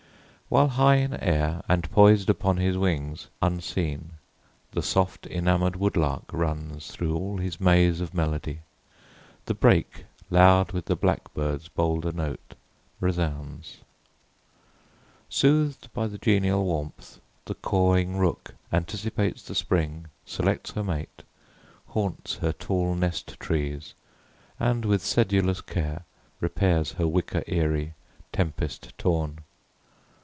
While high in air, and poised upon his wings, Unseen, the soft, enamour'd woodlark runs Through all his maze of melody; the brake, Loud with the blackbird's bolder note, resounds. Sooth'd by the genial warmth, the cawing rook Anticipates the spring, selects her mate, Haunts her tall nest trees, and with sedulous care Repairs her wicker eyrie, tempest torn.